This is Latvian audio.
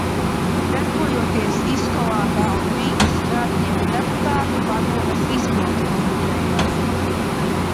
Darbojies Iskolatā un Rīgas Strādnieku deputātu padomes izpildkomitejā.